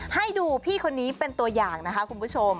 ให้ดูพี่คนนี้เป็นตัวอย่างนะคะคุณผู้ชม